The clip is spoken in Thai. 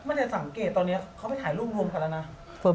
เนี่ยสังเกตตอนนี้เขาไปถ่ายรูปรวมกันแล้วนะ